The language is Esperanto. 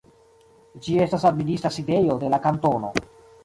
Ĝi estas la administra sidejo de la kantono.